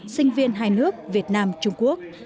sinh viên hai nước việt nam trung quốc